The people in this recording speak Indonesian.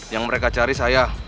yang mereka cari saya